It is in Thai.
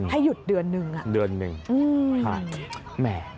ให้หยุดเดือนนึงอะค่ะแหม่